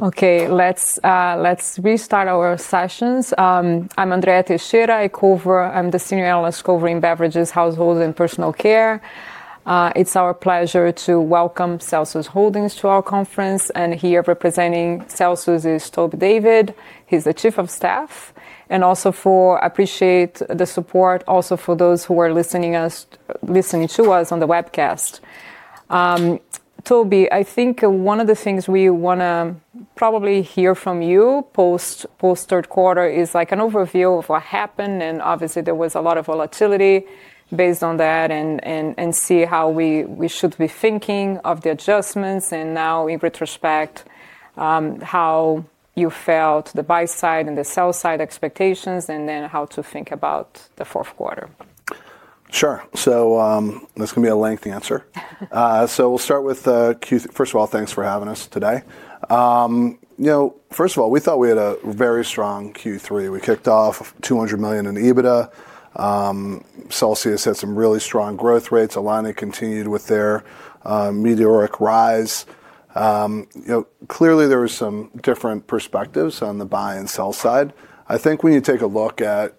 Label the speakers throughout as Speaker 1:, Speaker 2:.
Speaker 1: Okay, let's restart our sessions. I'm Andrea Teixeira, I'm the Senior Analyst covering beverages, households, and personal care. It's our pleasure to welcome Celsius Holdings to our conference, and here representing Celsius is Toby David. He's the Chief of Staff, and also appreciate the support for those who are listening to us on the webcast. Toby, I think one of the things we want to probably hear from you post-third quarter is like an overview of what happened, and obviously there was a lot of volatility based on that, and see how we should be thinking of the adjustments, and now in retrospect, how you felt the buy side and the sell side expectations, and then how to think about the fourth quarter.
Speaker 2: Sure, so that's going to be a lengthy answer. We'll start with Q3. First of all, thanks for having us today. First of all, we thought we had a very strong Q3. We kicked off $200 million in EBITDA. Celsius had some really strong growth rates. Alani continued with their meteoric rise. Clearly, there were some different perspectives on the buy and sell side. I think when you take a look at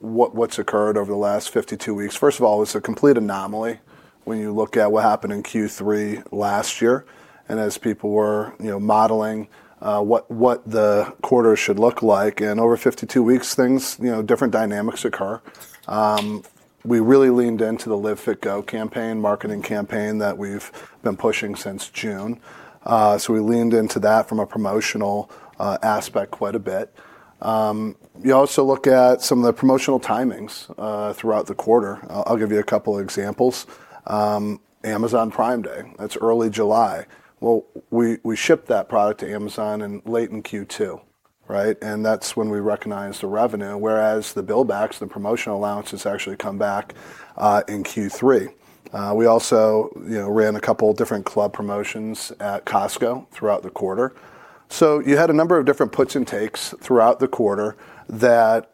Speaker 2: what's occurred over the last 52 weeks, first of all, it was a complete anomaly when you look at what happened in Q3 last year, and as people were modeling what the quarter should look like, and over 52 weeks, different dynamics occur. We really leaned into the Live Fit Go campaign, marketing campaign that we've been pushing since June. We leaned into that from a promotional aspect quite a bit. You also look at some of the promotional timings throughout the quarter. I'll give you a couple of examples. Amazon Prime Day, that's early July. We shipped that product to Amazon in late in Q2, and that's when we recognized the revenue, whereas the build-backs, the promotional allowances actually come back in Q3. We also ran a couple of different club promotions at Costco throughout the quarter. You had a number of different puts and takes throughout the quarter that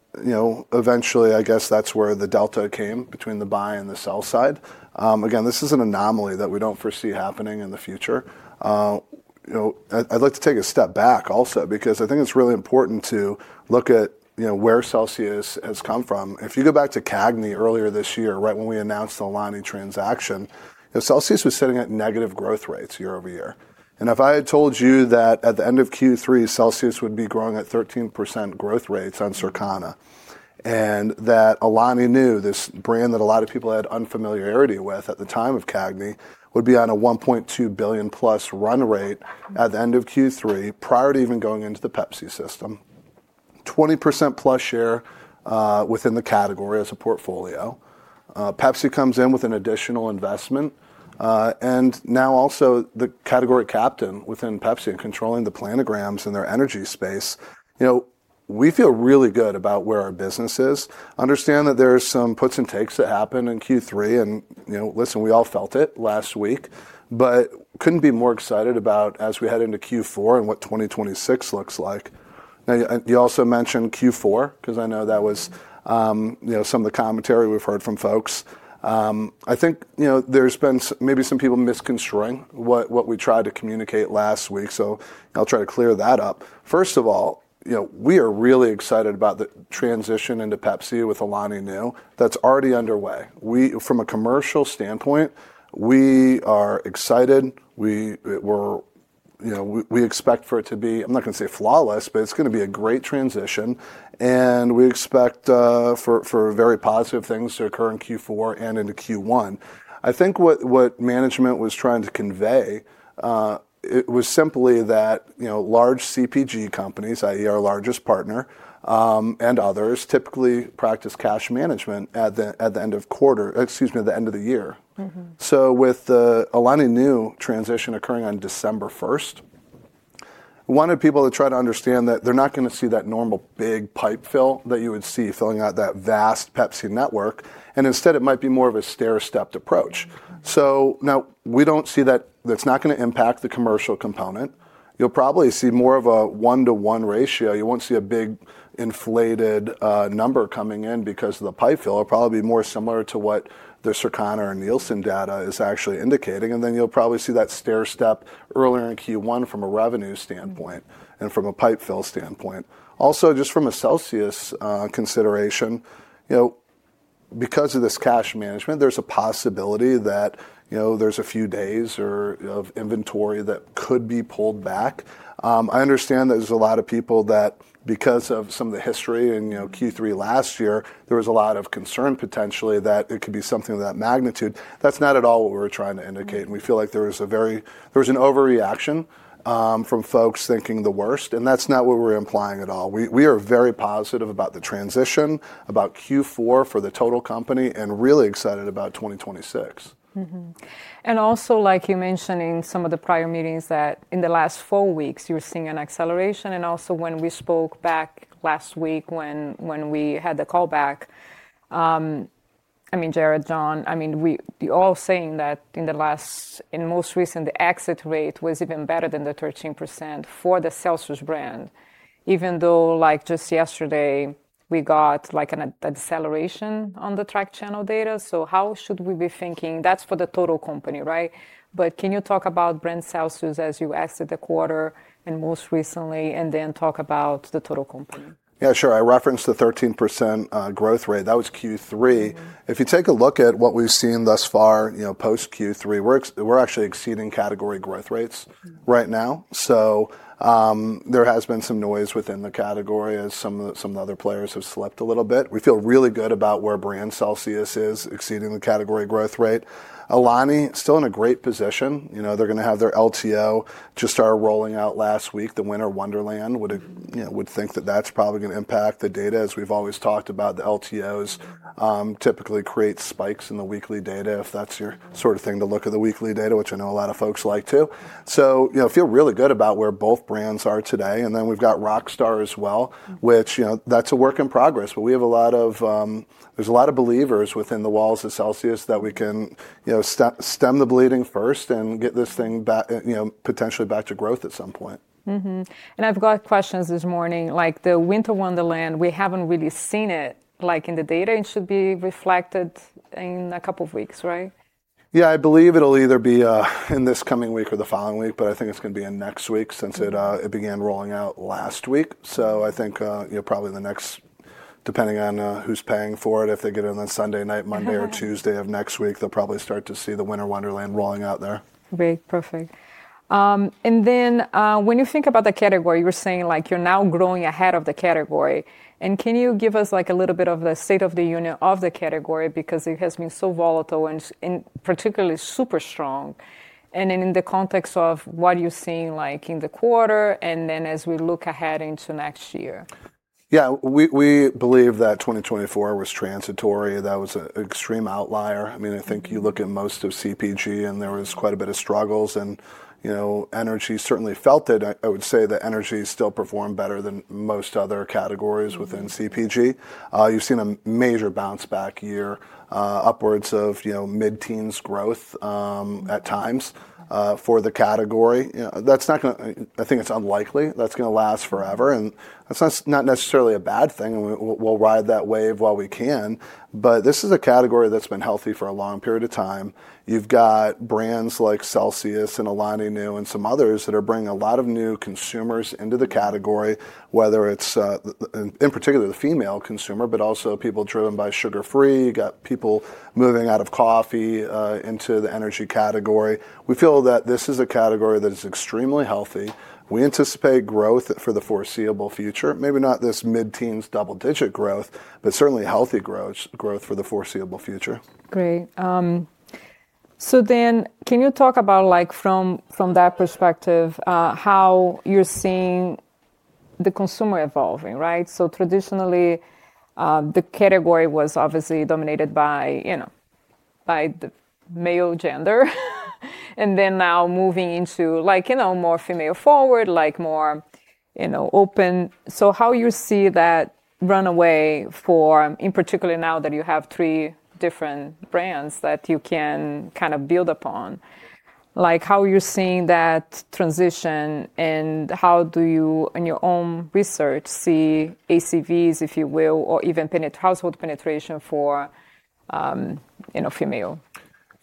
Speaker 2: eventually, I guess that's where the delta came between the buy and the sell side. Again, this is an anomaly that we don't foresee happening in the future. I'd like to take a step back also because I think it's really important to look at where Celsius has come from. If you go back to Cagney earlier this year, right when we announced the Alani Nu transaction, Celsius was sitting at negative growth rates year-over-year. If I had told you that at the end of Q3, Celsius would be growing at 13% growth rates on Circana, and that Alani Nu, this brand that a lot of people had unfamiliarity with at the time of Cagney, would be on a $1.2+ billion run rate at the end of Q3 prior to even going into the Pepsi system, 20%+ share within the category as a portfolio. Pepsi comes in with an additional investment, and now also the category captain within Pepsi and controlling the planograms in their energy space. We feel really good about where our business is. Understand that there are some puts and takes that happen in Q3, and listen, we all felt it last week, but could not be more excited about as we head into Q4 and what 2026 looks like. Now, you also mentioned Q4 because I know that was some of the commentary we have heard from folks. I think there has been maybe some people misconstruing what we tried to communicate last week, so I will try to clear that up. First of all, we are really excited about the transition into Pepsi with Alani Nu that is already underway. From a commercial standpoint, we are excited. We expect for it to be, I am not going to say flawless, but it is going to be a great transition, and we expect for very positive things to occur in Q4 and into Q1. I think what management was trying to convey was simply that large CPG companies, i.e., our largest partner and others, typically practice cash management at the end of the quarter, excuse me, at the end of the year. With the Alani Nu transition occurring on December 1, wanted people to try to understand that they're not going to see that normal big pipe fill that you would see filling out that vast Pepsi network, and instead it might be more of a stair-stepped approach. Now we don't see that that's not going to impact the commercial component. You'll probably see more of a 1/1 ratio. You won't see a big inflated number coming in because of the pipe fill. It'll probably be more similar to what the Circana and Nielsen data is actually indicating, and then you'll probably see that stair-step earlier in Q1 from a revenue standpoint and from a pipe fill standpoint. Also, just from a Celsius consideration, because of this cash management, there's a possibility that there's a few days of inventory that could be pulled back. I understand there's a lot of people that because of some of the history in Q3 last year, there was a lot of concern potentially that it could be something of that magnitude. That's not at all what we were trying to indicate, and we feel like there was an overreaction from folks thinking the worst, and that's not what we're implying at all. We are very positive about the transition, about Q4 for the total company, and really excited about 2026.
Speaker 1: Also, like you mentioned in some of the prior meetings that in the last four weeks, you're seeing an acceleration, and also when we spoke back last week when we had the callback, I mean, Jarrod, John, I mean, you're all saying that in the last, in most recent, the exit rate was even better than the 13% for the Celsius brand, even though just yesterday we got an acceleration on the track channel data. How should we be thinking? That's for the total company, right? Can you talk about brand Celsius as you exit the quarter and most recently, and then talk about the total company?
Speaker 2: Yeah, sure. I referenced the 13% growth rate. That was Q3. If you take a look at what we've seen thus far post-Q3, we're actually exceeding category growth rates right now. There has been some noise within the category as some of the other players have slipped a little bit. We feel really good about where brand Celsius is exceeding the category growth rate. Alani still in a great position. They're going to have their LTO just start rolling out last week. The Winter Wonderland would think that that's probably going to impact the data as we've always talked about. The LTOs typically create spikes in the weekly data if that's your sort of thing to look at the weekly data, which I know a lot of folks like to. I feel really good about where both brands are today, and then we've got Rockstar as well, which that's a work in progress, but we have a lot of, there's a lot of believers within the walls of Celsius that we can stem the bleeding first and get this thing potentially back to growth at some point.
Speaker 1: I've got questions this morning. Like the Winter Wonderland, we haven't really seen it in the data. It should be reflected in a couple of weeks, right?
Speaker 2: Yeah, I believe it'll either be in this coming week or the following week, but I think it's going to be in next week since it began rolling out last week. I think probably the next, depending on who's paying for it, if they get it on Sunday night, Monday or Tuesday of next week, they'll probably start to see the Winter Wonderland rolling out there.
Speaker 1: Great, perfect. When you think about the category, you're saying you're now growing ahead of the category. Can you give us a little bit of the state of the unit of the category because it has been so volatile and particularly super strong? In the context of what you're seeing in the quarter and then as we look ahead into next year?
Speaker 2: Yeah, we believe that 2024 was transitory. That was an extreme outlier. I mean, I think you look at most of CPG and there was quite a bit of struggles, and energy certainly felt it. I would say that energy still performed better than most other categories within CPG. You've seen a major bounce back year, upwards of mid-teens growth at times for the category. I think it's unlikely that's going to last forever, and that's not necessarily a bad thing. We'll ride that wave while we can, but this is a category that's been healthy for a long period of time. You've got brands like Celsius and Alani Nu and some others that are bringing a lot of new consumers into the category, whether it's in particular the female consumer, but also people driven by sugar-free. You've got people moving out of coffee into the energy category. We feel that this is a category that is extremely healthy. We anticipate growth for the foreseeable future. Maybe not this mid-teens double-digit growth, but certainly healthy growth for the foreseeable future.
Speaker 1: Great. So then can you talk about from that perspective how you're seeing the consumer evolving, right? Traditionally, the category was obviously dominated by the male gender, and then now moving into more female-forward, more open. How you see that runaway for, in particular now that you have three different brands that you can kind of build upon, how you're seeing that transition, and how do you in your own research see ACVs, if you will, or even household penetration for female?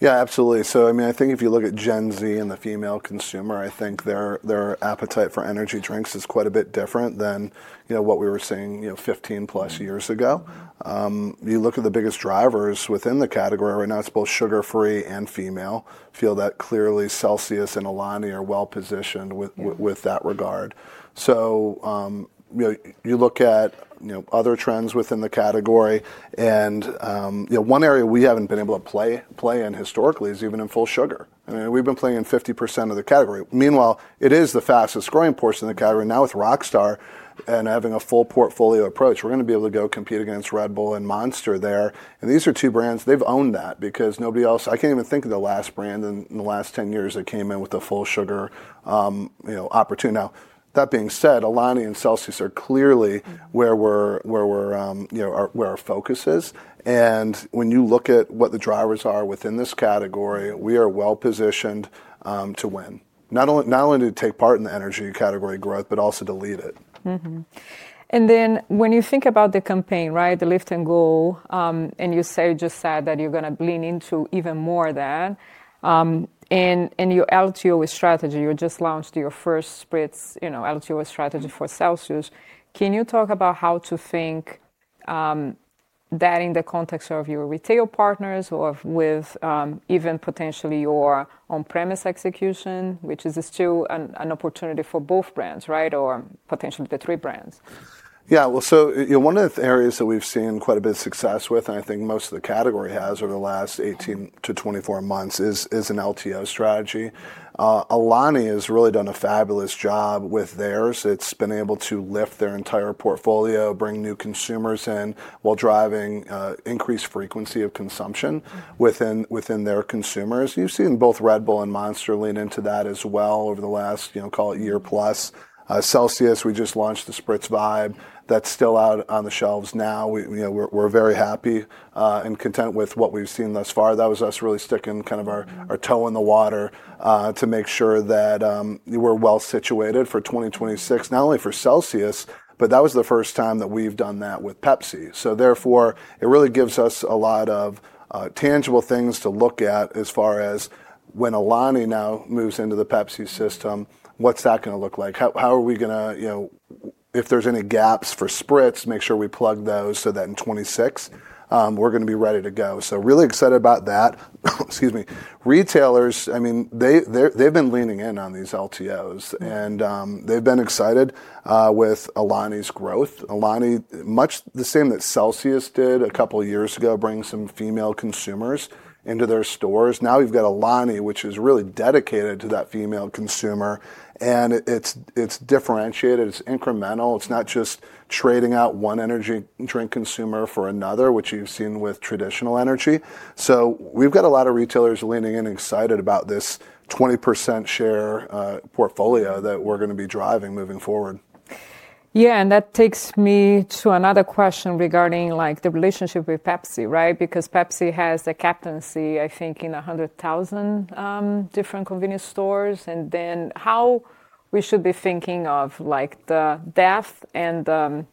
Speaker 2: Yeah, absolutely. I mean, I think if you look at Gen Z and the female consumer, I think their appetite for energy drinks is quite a bit different than what we were seeing 15+ years ago. You look at the biggest drivers within the category right now, it's both sugar-free and female. I feel that clearly Celsius and Alani Nu are well positioned with that regard. You look at other trends within the category, and one area we haven't been able to play in historically is even in full sugar. I mean, we've been playing in 50% of the category. Meanwhile, it is the fastest growing portion of the category. Now with Rockstar and having a full portfolio approach, we're going to be able to go compete against Red Bull and Monster there. These are two brands they have owned that because nobody else, I cannot even think of the last brand in the last 10 years that came in with a full sugar opportunity. That being said, Alani and Celsius are clearly where our focus is. When you look at what the drivers are within this category, we are well positioned to win, not only to take part in the energy category growth, but also to lead it.
Speaker 1: When you think about the campaign, the lift and go, and you just said that you're going to lean into even more of that, and your LTO strategy, you just launched your first Spritz LTO strategy for Celsius. Can you talk about how to think that in the context of your retail partners or with even potentially your on-premise execution, which is still an opportunity for both brands or potentially the three brands?
Speaker 2: Yeah, one of the areas that we've seen quite a bit of success with, and I think most of the category has over the last 18-24 months, is an LTO strategy. Alani Nu has really done a fabulous job with theirs. It's been able to lift their entire portfolio, bring new consumers in while driving increased frequency of consumption within their consumers. You've seen both Red Bull and Monster lean into that as well over the last, call it year plus. Celsius, we just launched the Spritz Vibe. That's still out on the shelves now. We're very happy and content with what we've seen thus far. That was us really sticking kind of our toe in the water to make sure that we're well situated for 2026, not only for Celsius, but that was the first time that we've done that with PepsiCo. Therefore, it really gives us a lot of tangible things to look at as far as when Alani Nu now moves into the PepsiCo system, what's that going to look like? How are we going to, if there's any gaps for Spritz, make sure we plug those so that in 2026, we're going to be ready to go. Really excited about that. Excuse me. Retailers, I mean, they've been leaning in on these LTOs, and they've been excited with Alani Nu's growth. Alani Nu, much the same that Celsius did a couple of years ago, bringing some female consumers into their stores. Now you've got Alani Nu, which is really dedicated to that female consumer, and it's differentiated. It's incremental. It's not just trading out one energy drink consumer for another, which you've seen with traditional energy. We've got a lot of retailers leaning in excited about this 20% share portfolio that we're going to be driving moving forward.
Speaker 1: Yeah, and that takes me to another question regarding the relationship with Pepsi, right? Because Pepsi has a captaincy, I think, in 100,000 different convenience stores, and then how we should be thinking of the depth and the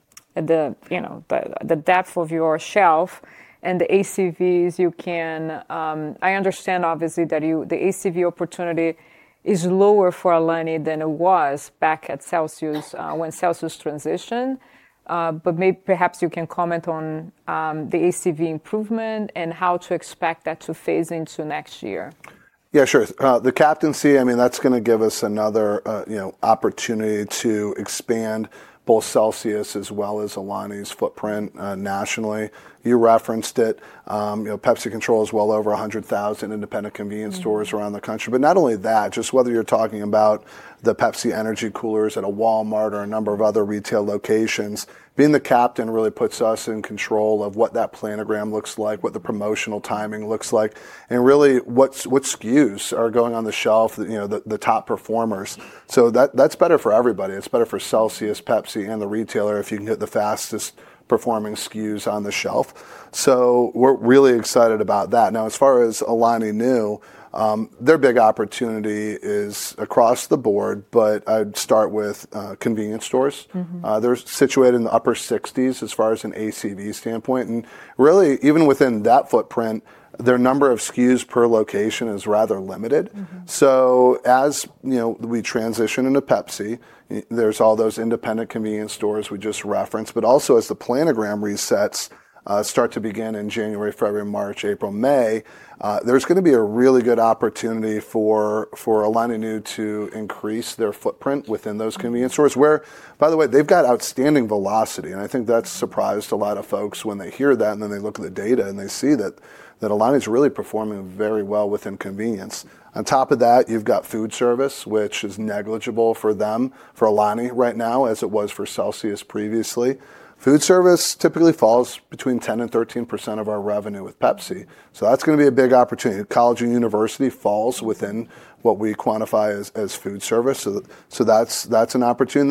Speaker 1: depth of your shelf and the ACVs you can. I understand obviously that the ACV opportunity is lower for Alani than it was back at Celsius when Celsius transitioned, but maybe perhaps you can comment on the ACV improvement and how to expect that to phase into next year.
Speaker 2: Yeah, sure. The captaincy, I mean, that's going to give us another opportunity to expand both Celsius as well as Alani Nu's footprint nationally. You referenced it. PepsiCo controls well over 100,000 independent convenience stores around the country, but not only that, just whether you're talking about the Pepsi energy coolers at a Walmart or a number of other retail locations, being the captain really puts us in control of what that planogram looks like, what the promotional timing looks like, and really what SKUs are going on the shelf, the top performers. That's better for everybody. It's better for Celsius, Pepsi, and the retailer if you can get the fastest performing SKUs on the shelf. We're really excited about that. Now, as far as Alani Nu, their big opportunity is across the board, but I'd start with convenience stores. They're situated in the upper 60s as far as an ACV standpoint. Really, even within that footprint, their number of SKUs per location is rather limited. As we transition into Pepsi, there's all those independent convenience stores we just referenced, but also as the planogram resets start to begin in January, February, March, April, May, there's going to be a really good opportunity for Alani Nu to increase their footprint within those convenience stores where, by the way, they've got outstanding velocity. I think that's surprised a lot of folks when they hear that, and then they look at the data and they see that Alani's really performing very well within convenience. On top of that, you've got food service, which is negligible for them, for Alani right now, as it was for Celsius previously. Food service typically falls between 10% and 13% of our revenue with Pepsi. That is going to be a big opportunity. College and university falls within what we quantify as food service. That is an opportunity.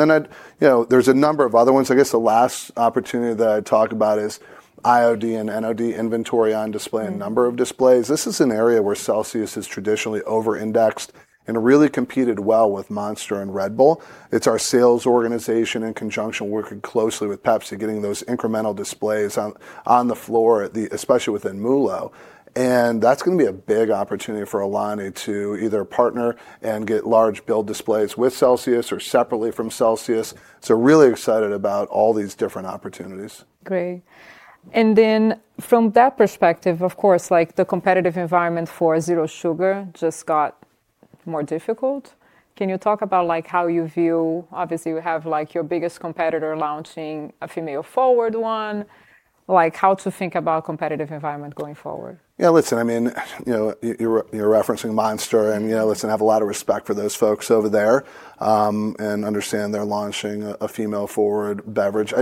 Speaker 2: Then there is a number of other ones. I guess the last opportunity that I talk about is IOD and NOD inventory on display, a number of displays. This is an area where Celsius is traditionally over-indexed and really competed well with Monster and Red Bull. It is our sales organization in conjunction working closely with Pepsi, getting those incremental displays on the floor, especially within Mulo. That is going to be a big opportunity for Alani to either partner and get large build displays with Celsius or separately from Celsius. Really excited about all these different opportunities.
Speaker 1: Great. From that perspective, of course, the competitive environment for zero sugar just got more difficult. Can you talk about how you view, obviously you have your biggest competitor launching a female-forward one, how to think about competitive environment going forward?
Speaker 2: Yeah, listen, I mean, you're referencing Monster, and listen, I have a lot of respect for those folks over there and understand they're launching a female-forward beverage.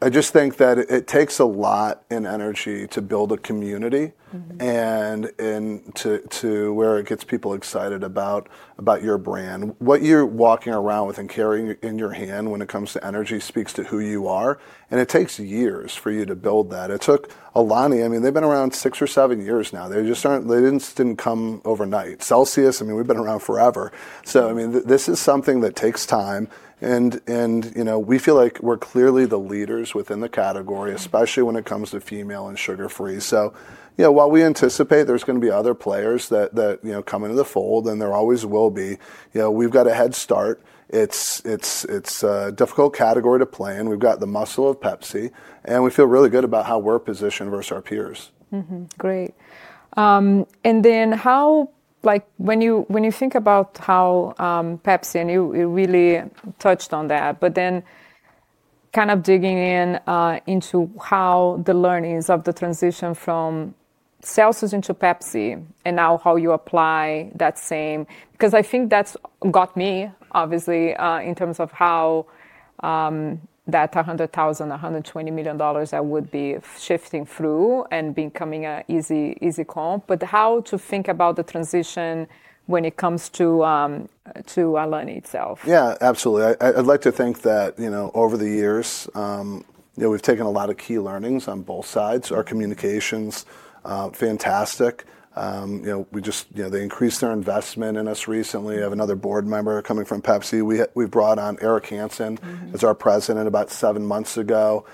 Speaker 2: I just think that it takes a lot in energy to build a community and to where it gets people excited about your brand. What you're walking around with and carrying in your hand when it comes to energy speaks to who you are, and it takes years for you to build that. It took Alani, I mean, they've been around six or seven years now. They didn't come overnight. Celsius, I mean, we've been around forever. This is something that takes time, and we feel like we're clearly the leaders within the category, especially when it comes to female and sugar-free. While we anticipate there's going to be other players that come into the fold, and there always will be, we've got a head start. It's a difficult category to play, and we've got the muscle of Pepsi, and we feel really good about how we're positioned versus our peers.
Speaker 1: Great. When you think about how Pepsi, and you really touched on that, but then kind of digging into how the learnings of the transition from Celsius into Pepsi and now how you apply that same, because I think that's got me obviously in terms of how that $100,000, $120 million that would be shifting through and becoming an easy comp, but how to think about the transition when it comes to Alani itself.
Speaker 2: Yeah, absolutely. I'd like to think that over the years, we've taken a lot of key learnings on both sides. Our communication's fantastic. They increased their investment in us recently. I have another board member coming from Pepsi. We brought on Eric Hansen as our President about seven months ago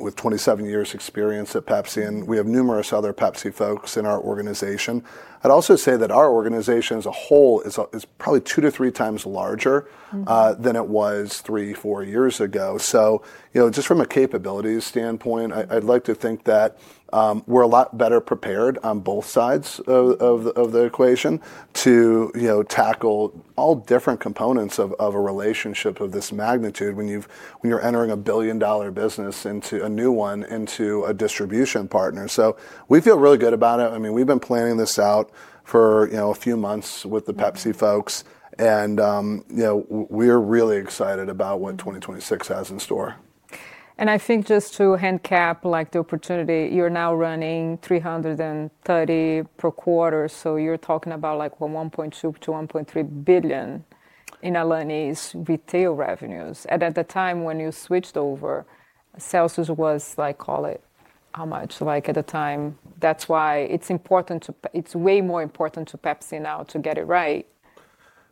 Speaker 2: with 27 years' experience at Pepsi, and we have numerous other Pepsi folks in our organization. I'd also say that our organization as a whole is probably two to three times larger than it was three, four years ago. Just from a capabilities standpoint, I'd like to think that we're a lot better prepared on both sides of the equation to tackle all different components of a relationship of this magnitude when you're entering a billion-dollar business into a new one, into a distribution partner. We feel really good about it. I mean, we've been planning this out for a few months with the Pepsi folks, and we're really excited about what 2026 has in store.
Speaker 1: I think just to handicap the opportunity, you're now running $330 million per quarter, so you're talking about $1.2 billion-$1.3 billion in Alani Nu's retail revenues. At the time when you switched over, Celsius was, call it how much, at the time. That's why it's important to, it's way more important to Pepsi now to get it right.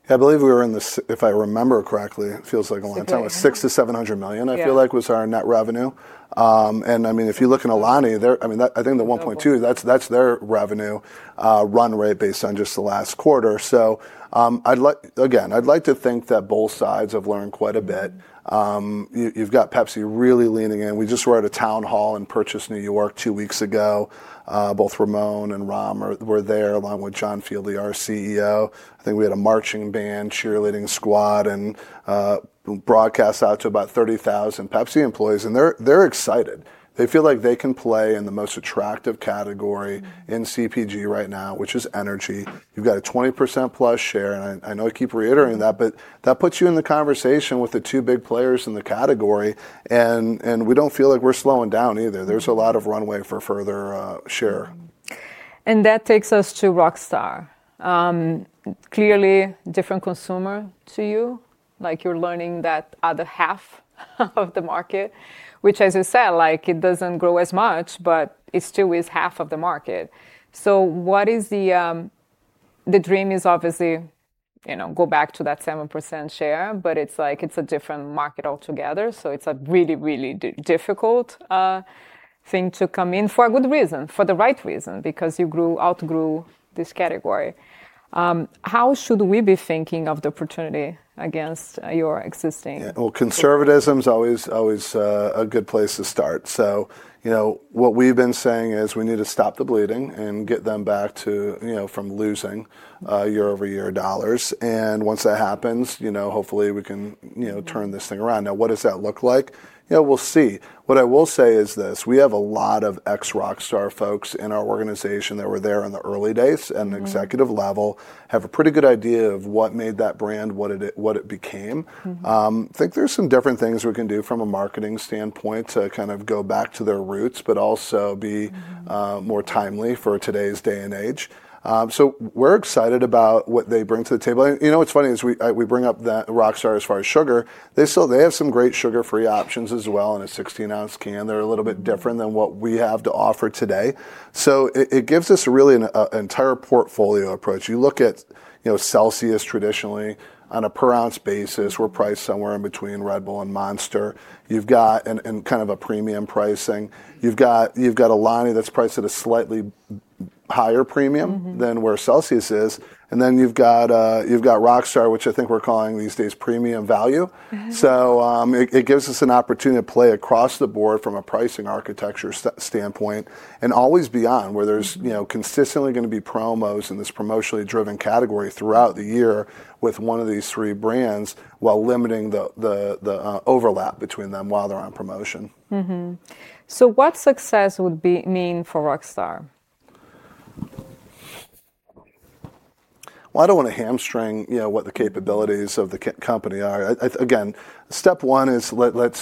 Speaker 2: Yeah, I believe we were in the, if I remember correctly, it feels like a long time ago, $600 million-$700 million, I feel like was our net revenue. And I mean, if you look at Alani, I think the $1.2 billion, that's their revenue run rate based on just the last quarter. So again, I'd like to think that both sides have learned quite a bit. You've got Pepsi really leaning in. We just were at a town hall in Purchase, New York two weeks ago. Both Ramon and Ram were there along with John Fieldly, our CEO. I think we had a marching band, cheerleading squad, and broadcast out to about 30,000 Pepsi employees, and they're excited. They feel like they can play in the most attractive category in CPG right now, which is energy. You've got a 20%+ share, and I know I keep reiterating that, but that puts you in the conversation with the two big players in the category, and we don't feel like we're slowing down either. There's a lot of runway for further share.
Speaker 1: That takes us to Rockstar. Clearly, different consumer to you. You're learning that other half of the market, which, as you said, it doesn't grow as much, but it still is half of the market. What is the dream is obviously go back to that 7% share, but it's a different market altogether. It's a really, really difficult thing to come in for a good reason, for the right reason, because you outgrew this category. How should we be thinking of the opportunity against your existing?
Speaker 2: Conservatism's always a good place to start. What we've been saying is we need to stop the bleeding and get them back from losing year-over-year dollars. Once that happens, hopefully we can turn this thing around. Now, what does that look like? We'll see. What I will say is this. We have a lot of ex-Rockstar folks in our organization that were there in the early days and executive level, have a pretty good idea of what made that brand what it became. I think there's some different things we can do from a marketing standpoint to kind of go back to their roots, but also be more timely for today's day and age. We're excited about what they bring to the table. You know what's funny is we bring up Rockstar as far as sugar. They have some great sugar-free options as well in a 16-ounce can. They're a little bit different than what we have to offer today. It gives us really an entire portfolio approach. You look at Celsius traditionally, on a per-ounce basis, we're priced somewhere in between Red Bull and Monster. You've got kind of a premium pricing. You've got Alani that's priced at a slightly higher premium than where Celsius is. You've got Rockstar, which I think we're calling these days premium value. It gives us an opportunity to play across the board from a pricing architecture standpoint and always beyond where there's consistently going to be promos in this promotionally driven category throughout the year with one of these three brands while limiting the overlap between them while they're on promotion.
Speaker 1: What would success mean for Rockstar?
Speaker 2: I don't want to hamstring what the capabilities of the company are. Again, step one is let's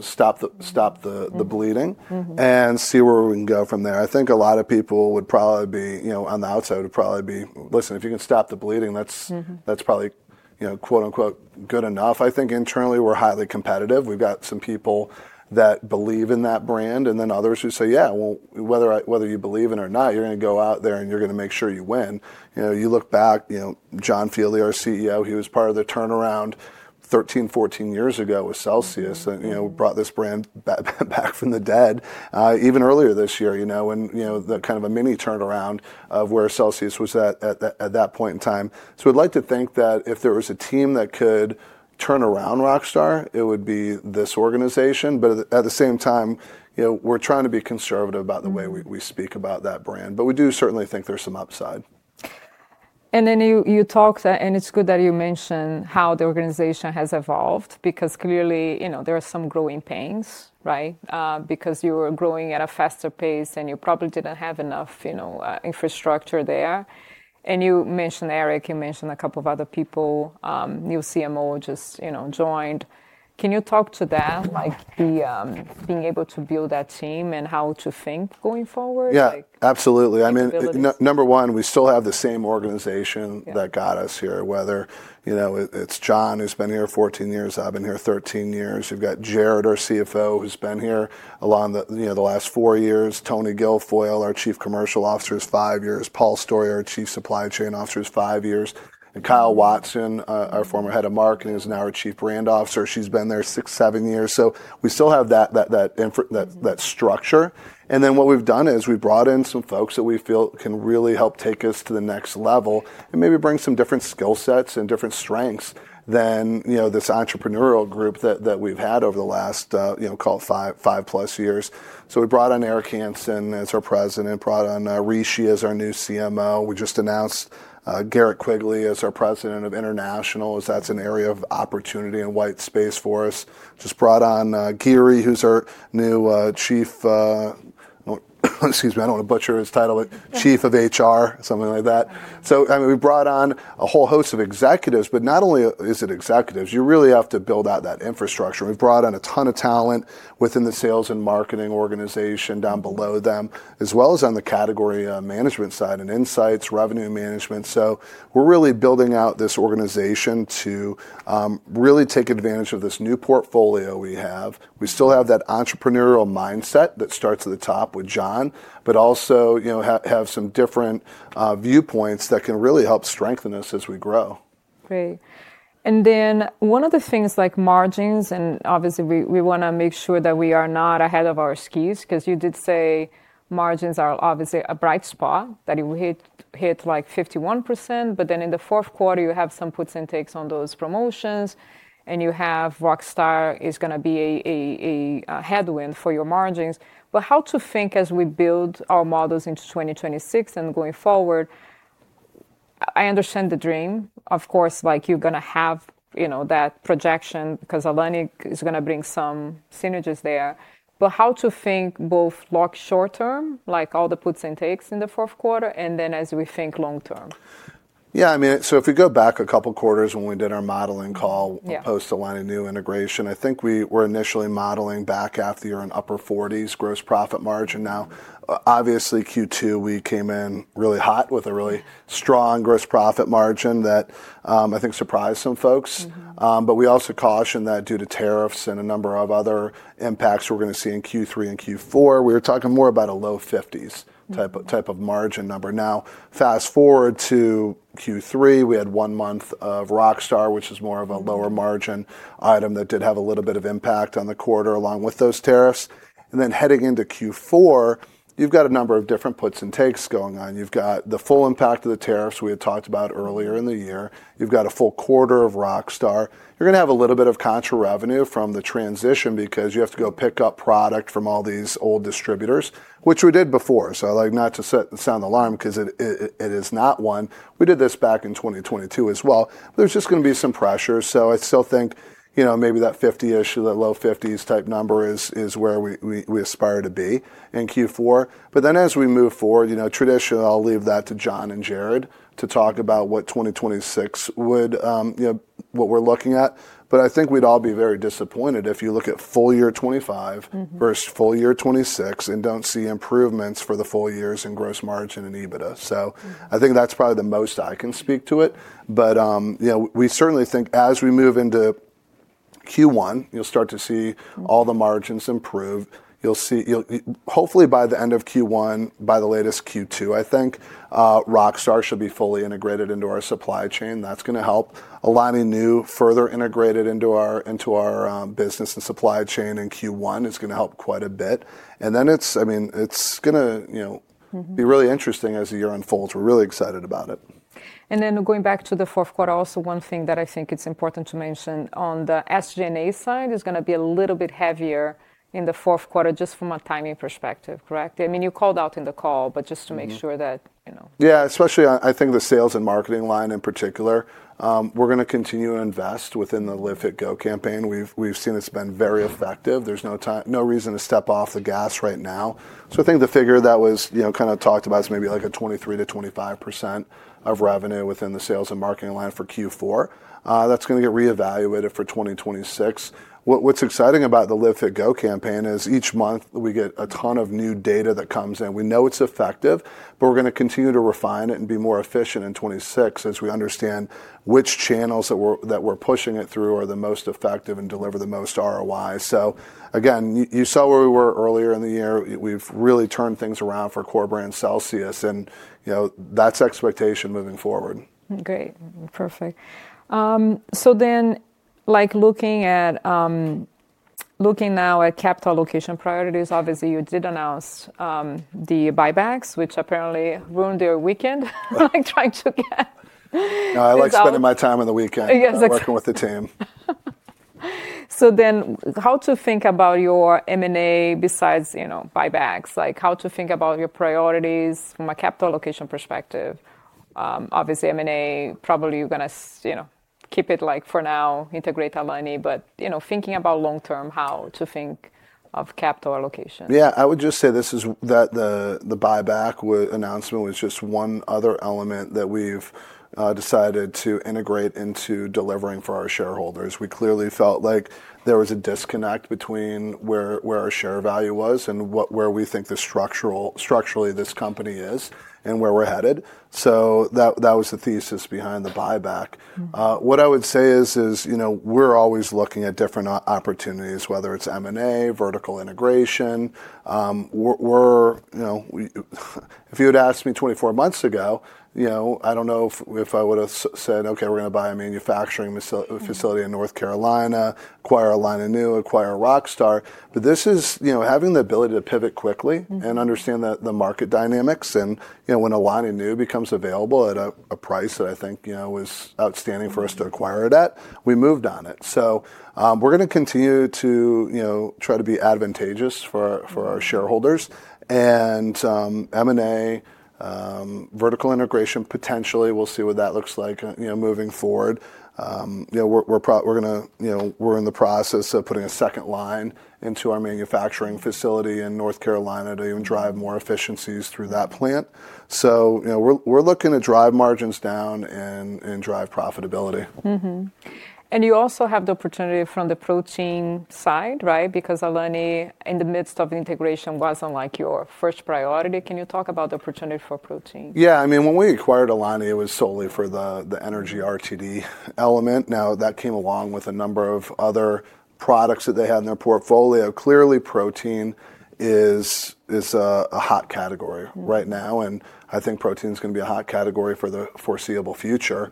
Speaker 2: stop the bleeding and see where we can go from there. I think a lot of people would probably be on the outside would probably be, listen, if you can stop the bleeding, that's probably "good enough." I think internally we're highly competitive. We've got some people that believe in that brand and then others who say, yeah, whether you believe in it or not, you're going to go out there and you're going to make sure you win. You look back, John Fieldly, our CEO, he was part of the turnaround 13, 14 years ago with Celsius and brought this brand back from the dead even earlier this year and kind of a mini turnaround of where Celsius was at that point in time. We'd like to think that if there was a team that could turn around Rockstar, it would be this organization. At the same time, we're trying to be conservative about the way we speak about that brand, but we do certainly think there's some upside.
Speaker 1: You talked and it is good that you mentioned how the organization has evolved because clearly there are some growing pains, right? Because you were growing at a faster pace and you probably did not have enough infrastructure there. You mentioned Eric, you mentioned a couple of other people, new CMO just joined. Can you talk to that, being able to build that team and how to think going forward?
Speaker 2: Yeah, absolutely. I mean, number one, we still have the same organization that got us here, whether it's John who's been here 14 years, I've been here 13 years. You've got Jarrod, our CFO, who's been here along the last four years. Tony Guilfoyle, our Chief Commercial Officer, is five years. Paul Story, our Chief Supply Chain Officer, is five years. Kyle Watson, our former head of marketing, is now our Chief Brand Officer. She's been there six, seven years. We still have that structure. What we've done is we brought in some folks that we feel can really help take us to the next level and maybe bring some different skill sets and different strengths than this entrepreneurial group that we've had over the last, call it five plus years. We brought on Eric Hansen as our President, brought on Rishi as our new CMO. We just announced Garrett Quigley as our President of International as that's an area of opportunity and white space for us. Just brought on Geary, who's our new Chief, excuse me, I don't want to butcher his title, but Chief of HR, something like that. I mean, we brought on a whole host of executives, but not only is it executives, you really have to build out that infrastructure. We've brought on a ton of talent within the sales and marketing organization down below them, as well as on the category management side and insights, revenue management. We're really building out this organization to really take advantage of this new portfolio we have. We still have that entrepreneurial mindset that starts at the top with John, but also have some different viewpoints that can really help strengthen us as we grow.
Speaker 1: Great. One of the things like margins, and obviously we want to make sure that we are not ahead of our skis because you did say margins are obviously a bright spot that you hit like 51%, but then in the fourth quarter, you have some puts and takes on those promotions and you have Rockstar is going to be a headwind for your margins. How to think as we build our models into 2026 and going forward, I understand the dream, of course, you're going to have that projection because Alani is going to bring some synergies there. How to think both like short term, like all the puts and takes in the fourth quarter, and then as we think long term?
Speaker 2: Yeah, I mean, if we go back a couple of quarters when we did our modeling call post-Alani Nu integration, I think we were initially modeling back after you're in upper 40s gross profit margin. Now, obviously Q2 we came in really hot with a really strong gross profit margin that I think surprised some folks. We also cautioned that due to tariffs and a number of other impacts we're going to see in Q3 and Q4, we were talking more about a low 50s type of margin number. Now, fast forward to Q3, we had one month of Rockstar, which is more of a lower margin item that did have a little bit of impact on the quarter along with those tariffs. Then heading into Q4, you've got a number of different puts and takes going on. You've got the full impact of the tariffs we had talked about earlier in the year. You've got a full quarter of Rockstar. You're going to have a little bit of contra revenue from the transition because you have to go pick up product from all these old distributors, which we did before. Not to sound the alarm because it is not one. We did this back in 2022 as well. There's just going to be some pressure. I still think maybe that 50 issue, that low 50s type number is where we aspire to be in Q4. As we move forward, traditionally, I'll leave that to John and Jarrod to talk about what 2026 would, what we're looking at. I think we'd all be very disappointed if you look at full year 2025 versus full year 2026 and do not see improvements for the full years in gross margin and EBITDA. I think that's probably the most I can speak to it. We certainly think as we move into Q1, you'll start to see all the margins improve. Hopefully by the end of Q1, by the latest Q2, I think Rockstar should be fully integrated into our supply chain. That's going to help Alani Nu further integrate into our business and supply chain in Q1. It's going to help quite a bit. I mean, it's going to be really interesting as the year unfolds. We're really excited about it.
Speaker 1: Going back to the fourth quarter, also one thing that I think it's important to mention on the SG&A side is going to be a little bit heavier in the fourth quarter just from a timing perspective, correct? I mean, you called out in the call, but just to make sure that.
Speaker 2: Yeah, especially I think the sales and marketing line in particular, we're going to continue to invest within the Live Fit Go campaign. We've seen it's been very effective. There's no reason to step off the gas right now. I think the figure that was kind of talked about is maybe like a 23%-25% of revenue within the sales and marketing line for Q4. That's going to get reevaluated for 2026. What's exciting about the Live Fit Go campaign is each month we get a ton of new data that comes in. We know it's effective, but we're going to continue to refine it and be more efficient in 26 as we understand which channels that we're pushing it through are the most effective and deliver the most ROI. Again, you saw where we were earlier in the year. We've really turned things around for core brand Celsius and that's expectation moving forward.
Speaker 1: Great. Perfect. Looking now at capital allocation priorities, obviously you did announce the buybacks, which apparently ruined your weekend trying to get.
Speaker 2: No, I like spending my time on the weekend working with the team.
Speaker 1: How to think about your M&A besides buybacks? How to think about your priorities from a capital allocation perspective? Obviously, M&A, probably you're going to keep it for now, integrate Alani, but thinking about long term, how to think of capital allocation?
Speaker 2: Yeah, I would just say this is that the buyback announcement was just one other element that we've decided to integrate into delivering for our shareholders. We clearly felt like there was a disconnect between where our share value was and where we think structurally this company is and where we're headed. That was the thesis behind the buyback. What I would say is we're always looking at different opportunities, whether it's M&A, vertical integration. If you had asked me 24 months ago, I don't know if I would have said, okay, we're going to buy a manufacturing facility in North Carolina, acquire Alani Nu, acquire Rockstar. This is having the ability to pivot quickly and understand the market dynamics. When Alani Nu becomes available at a price that I think was outstanding for us to acquire it at, we moved on it. We're going to continue to try to be advantageous for our shareholders. M&A, vertical integration potentially, we'll see what that looks like moving forward. We're in the process of putting a second line into our manufacturing facility in North Carolina to even drive more efficiencies through that plant. We're looking to drive margins down and drive profitability.
Speaker 1: You also have the opportunity from the protein side, right? Because Alani in the midst of integration wasn't like your first priority. Can you talk about the opportunity for protein?
Speaker 2: Yeah. I mean, when we acquired Alani Nu, it was solely for the energy RTD element. That came along with a number of other products that they had in their portfolio. Clearly, protein is a hot category right now. I think protein is going to be a hot category for the foreseeable future.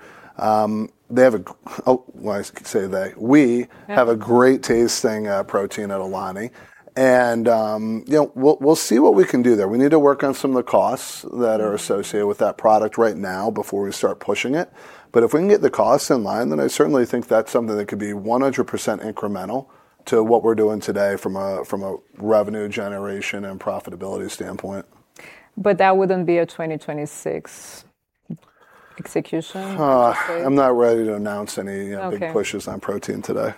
Speaker 2: They have a, well, I could say that we have a great tasting protein at Alani Nu. We will see what we can do there. We need to work on some of the costs that are associated with that product right now before we start pushing it. If we can get the costs in line, then I certainly think that is something that could be 100% incremental to what we are doing today from a revenue generation and profitability standpoint.
Speaker 1: That wouldn't be a 2026 execution?
Speaker 2: I'm not ready to announce any big pushes on protein today.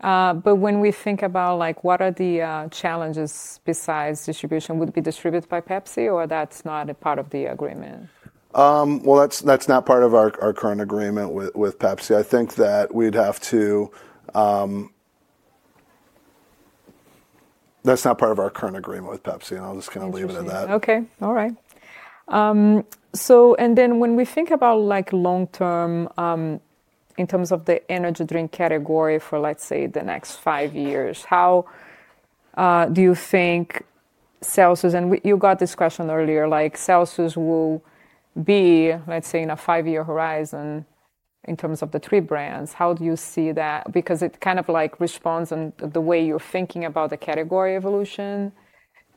Speaker 1: When we think about what are the challenges besides distribution, would it be distributed by Pepsi or that's not a part of the agreement?
Speaker 2: That's not part of our current agreement with Pepsi. I think that we'd have to, that's not part of our current agreement with Pepsi, and I'll just kind of leave it at that.
Speaker 1: Okay. All right. And then when we think about long term in terms of the energy drink category for, let's say, the next five years, how do you think Celsius, and you got this question earlier, Celsius will be, let's say, in a five year horizon in terms of the three brands, how do you see that? Because it kind of responds in the way you're thinking about the category evolution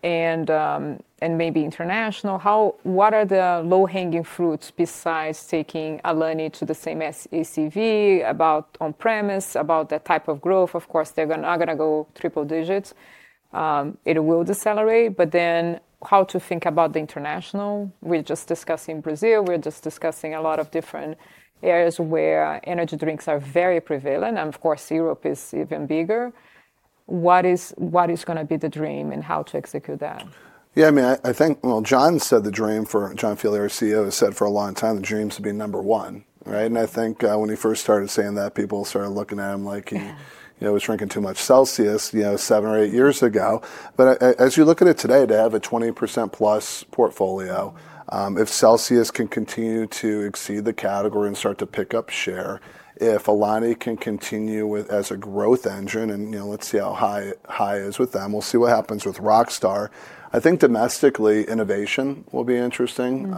Speaker 1: and maybe international. What are the low hanging fruits besides taking Alani to the same ACV, about on-premise, about that type of growth? Of course, they're not going to go triple digits. It will decelerate. But then how to think about the international? We're just discussing Brazil. We're just discussing a lot of different areas where energy drinks are very prevalent. And of course, Europe is even bigger. What is going to be the dream and how to execute that?
Speaker 2: Yeah, I mean, I think, well, John said the dream for John Fieldly, our CEO, has said for a long time the dream is to be number one, right? I think when he first started saying that, people started looking at him like he was drinking too much Celsius seven or eight years ago. As you look at it today, to have a 20%+ portfolio, if Celsius can continue to exceed the category and start to pick up share, if Alani can continue as a growth engine, and let's see how high it is with them, we'll see what happens with Rockstar. I think domestically innovation will be interesting,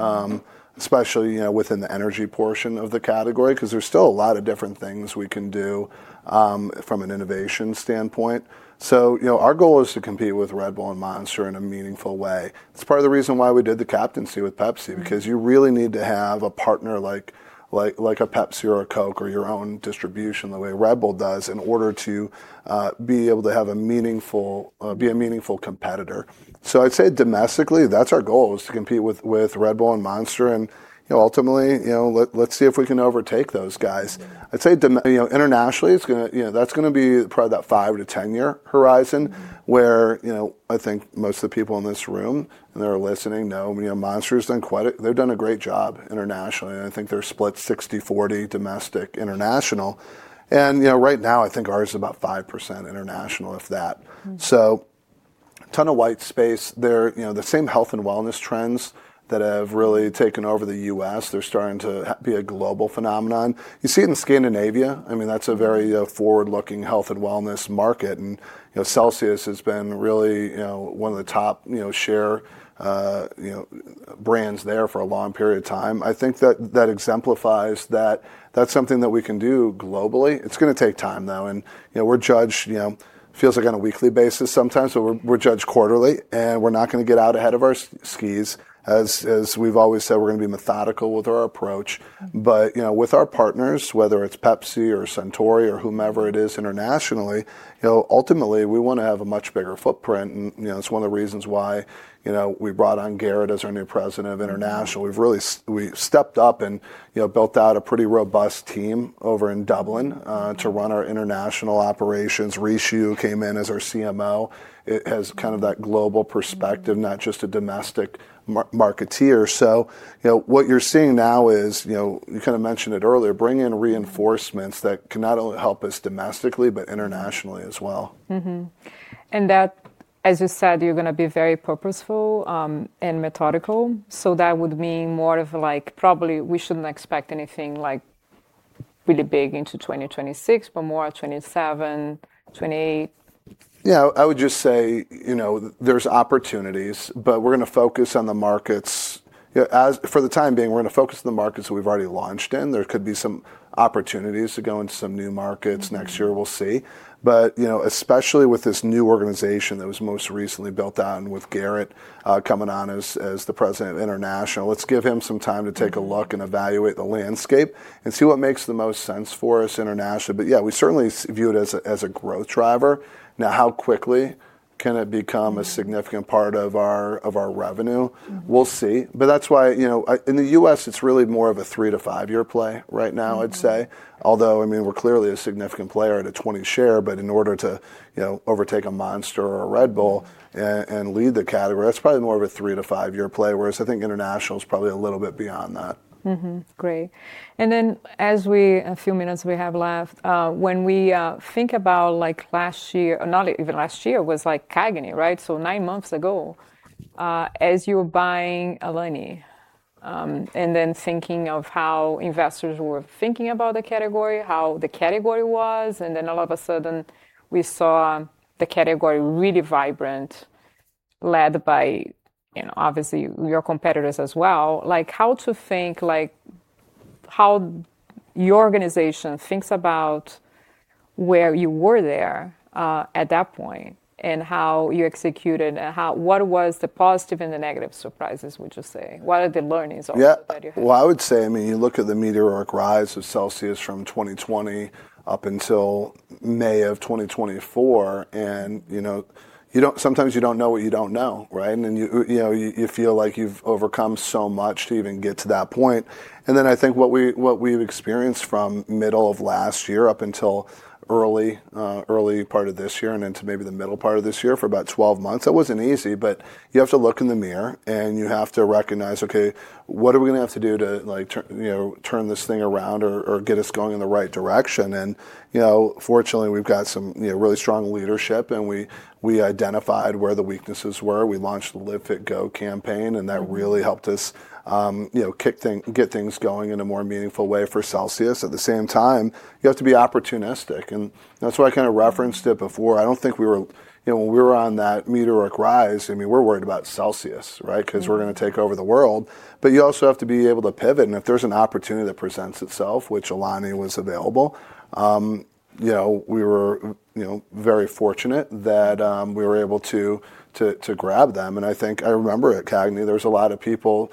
Speaker 2: especially within the energy portion of the category, because there's still a lot of different things we can do from an innovation standpoint. Our goal is to compete with Red Bull and Monster in a meaningful way. It's part of the reason why we did the captaincy with Pepsi, because you really need to have a partner like a Pepsi or a Coke or your own distribution the way Red Bull does in order to be able to be a meaningful competitor. I'd say domestically, that's our goal is to compete with Red Bull and Monster. Ultimately, let's see if we can overtake those guys. I'd say internationally, that's going to be probably that five- to ten-year horizon where I think most of the people in this room and they're listening know Monster has done quite a, they've done a great job internationally. I think they're split 60-40 domestic, international. Right now, I think ours is about 5% international if that. A ton of white space there, the same health and wellness trends that have really taken over the U.S., they're starting to be a global phenomenon. You see it in Scandinavia. I mean, that's a very forward-looking health and wellness market. And Celsius has been really one of the top share brands there for a long period of time. I think that exemplifies that that's something that we can do globally. It's going to take time though. We're judged, it feels like on a weekly basis sometimes, but we're judged quarterly. We're not going to get out ahead of our skis. As we've always said, we're going to be methodical with our approach. With our partners, whether it's Pepsi or Centauri or whomever it is internationally, ultimately we want to have a much bigger footprint. It is one of the reasons why we brought on Garrett as our new President of International. We have really stepped up and built out a pretty robust team over in Dublin to run our international operations. Rishi came in as our CMO. He has kind of that global perspective, not just a domestic marketeer. What you are seeing now is, you kind of mentioned it earlier, bringing in reinforcements that can not only help us domestically, but internationally as well.
Speaker 1: That, as you said, you're going to be very purposeful and methodical. That would mean more of like probably we shouldn't expect anything like really big into 2026, but more 2027, 2028.
Speaker 2: Yeah, I would just say there's opportunities, but we're going to focus on the markets. For the time being, we're going to focus on the markets that we've already launched in. There could be some opportunities to go into some new markets next year. We'll see. Especially with this new organization that was most recently built out with Garrett coming on as the President of International, let's give him some time to take a look and evaluate the landscape and see what makes the most sense for us internationally. Yeah, we certainly view it as a growth driver. Now, how quickly can it become a significant part of our revenue? We'll see. That's why in the U.S., it's really more of a three to five year play right now, I'd say. Although, I mean, we're clearly a significant player at a 20% share, but in order to overtake a Monster or a Red Bull and lead the category, that's probably more of a three to five year play. Whereas I think international is probably a little bit beyond that.
Speaker 1: Great. As we, a few minutes we have left, when we think about last year, not even last year was like Caggony, right? Nine months ago, as you were buying Alani and then thinking of how investors were thinking about the category, how the category was, and then all of a sudden we saw the category really vibrant, led by obviously your competitors as well. How to think, how your organization thinks about where you were there at that point and how you executed and what was the positive and the negative surprises, would you say? What are the learnings that you had?
Speaker 2: Yeah. I would say, I mean, you look at the meteoric rise of Celsius from 2020 up until May of 2024. Sometimes you do not know what you do not know, right? You feel like you have overcome so much to even get to that point. I think what we have experienced from middle of last year up until early part of this year and into maybe the middle part of this year for about 12 months, that was not easy. You have to look in the mirror and you have to recognize, okay, what are we going to have to do to turn this thing around or get us going in the right direction? Fortunately, we have got some really strong leadership and we identified where the weaknesses were. We launched the Live Fit Go campaign and that really helped us get things going in a more meaningful way for Celsius. At the same time, you have to be opportunistic. That is why I kind of referenced it before. I do not think we were, when we were on that meteoric rise, I mean, we are worried about Celsius, right? Because we are going to take over the world. You also have to be able to pivot. If there is an opportunity that presents itself, which Alani was available, we were very fortunate that we were able to grab them. I think I remember at Caggony, there were a lot of people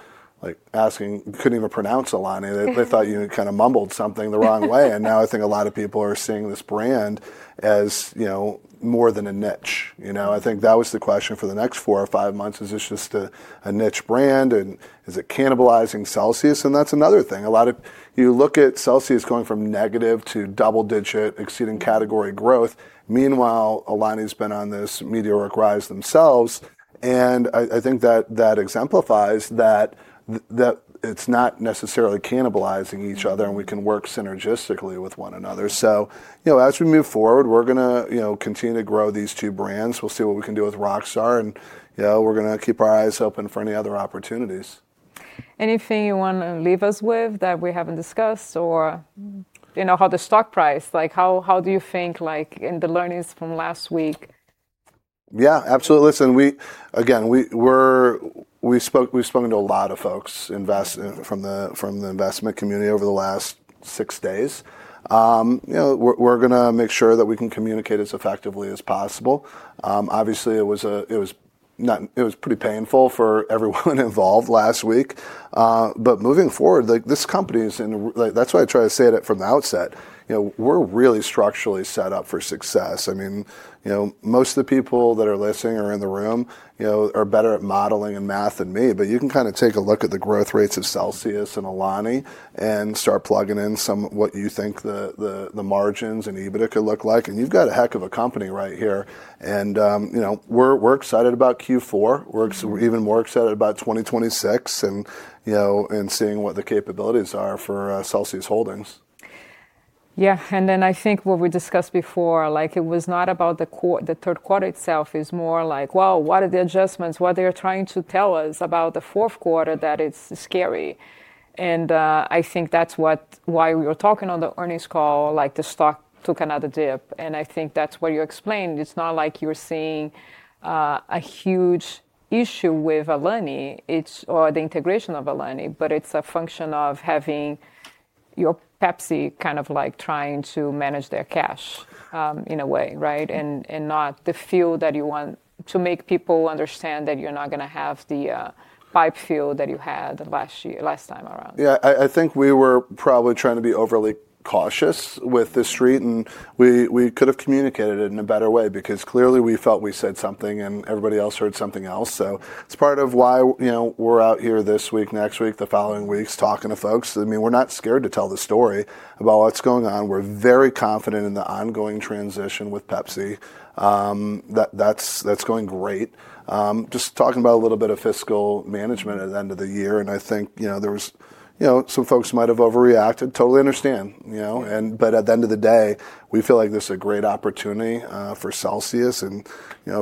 Speaker 2: asking, could not even pronounce Alani. They thought you kind of mumbled something the wrong way. Now I think a lot of people are seeing this brand as more than a niche. I think that was the question for the next four or five months. Is this just a niche brand and is it cannibalizing Celsius? That's another thing. You look at Celsius going from negative to double digit, exceeding category growth. Meanwhile, Alani's been on this meteoric rise themselves. I think that exemplifies that it's not necessarily cannibalizing each other and we can work synergistically with one another. As we move forward, we're going to continue to grow these two brands. We'll see what we can do with Rockstar. We're going to keep our eyes open for any other opportunities.
Speaker 1: Anything you want to leave us with that we haven't discussed or how the stock price, how do you think in the learnings from last week?
Speaker 2: Yeah, absolutely. Listen, again, we've spoken to a lot of folks from the investment community over the last six days. We're going to make sure that we can communicate as effectively as possible. Obviously, it was pretty painful for everyone involved last week. Moving forward, this company is in, that's why I try to say it from the outset. We're really structurally set up for success. I mean, most of the people that are listening or in the room are better at modeling and math than me. You can kind of take a look at the growth rates of Celsius and Alani and start plugging in some of what you think the margins and EBITDA could look like. You've got a heck of a company right here. We're excited about Q4. We're even more excited about 2026 and seeing what the capabilities are for Celsius Holdings.
Speaker 1: Yeah. I think what we discussed before, it was not about the third quarter itself. It's more like, wow, what are the adjustments? What they're trying to tell us about the fourth quarter that it's scary. I think that's why we were talking on the earnings call, the stock took another dip. I think that's what you explained. It's not like you're seeing a huge issue with Alani or the integration of Alani, but it's a function of having your Pepsi kind of like trying to manage their cash in a way, right? Not the feel that you want to make people understand that you're not going to have the pipe feel that you had last time around.
Speaker 2: Yeah, I think we were probably trying to be overly cautious with the street. We could have communicated it in a better way because clearly we felt we said something and everybody else heard something else. It is part of why we are out here this week, next week, the following weeks talking to folks. I mean, we are not scared to tell the story about what is going on. We are very confident in the ongoing transition with Pepsi. That is going great. Just talking about a little bit of fiscal management at the end of the year. I think some folks might have overreacted. Totally understand. At the end of the day, we feel like this is a great opportunity for Celsius and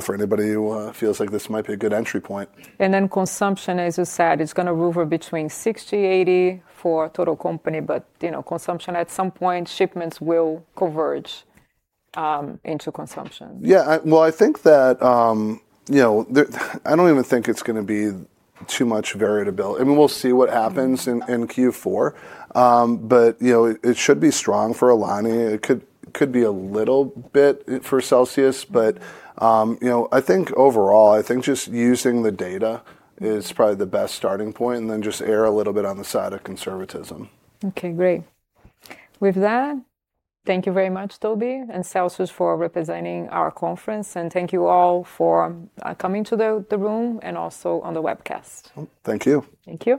Speaker 2: for anybody who feels like this might be a good entry point.
Speaker 1: Consumption, as you said, it's going to hover between 60-80 for total company, but consumption at some point, shipments will converge into consumption.
Speaker 2: Yeah. I think that I do not even think it is going to be too much variability. I mean, we will see what happens in Q4. It should be strong for Alani. It could be a little bit for Celsius. I think overall, just using the data is probably the best starting point and then just err a little bit on the side of conservatism.
Speaker 1: Okay, great. With that, thank you very much, Toby, and Celsius for representing our conference. Thank you all for coming to the room and also on the webcast.
Speaker 2: Thank you.
Speaker 1: Thank you.